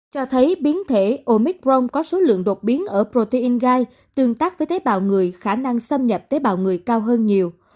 cho thấy biến thể omicron có số lượng đột biến ở protein gai tương tác với tế bào người khả năng xâm nhập tế bào người cao hơn nhiều